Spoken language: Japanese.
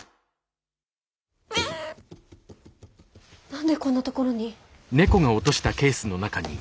何でこんなところに。